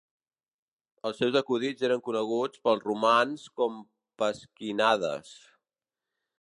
Els seus acudits eren coneguts pels romans com pasquinades.